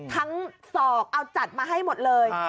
ศอกเอาจัดมาให้หมดเลย